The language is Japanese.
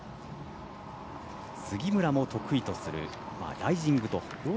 杉村も得意とするライジングという。